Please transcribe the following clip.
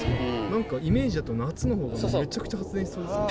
なんかイメージだと夏の方がめちゃくちゃ発電しそうですけど。